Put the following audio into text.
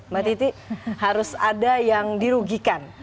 mbak titi harus ada yang dirugikan